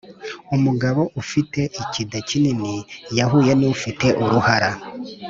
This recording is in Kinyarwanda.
Umugabo ufite ikida kinini yahuye n’ufite uruhara.